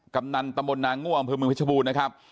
กำนันตมนต์นางง่วงอำเภอเมืองพฤชบูรณ์นะครับ